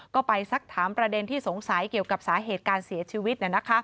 ก็ไปสักถามประเด็นที่สงสัยเกี่ยวกับสาเหตุการเสียชีวิต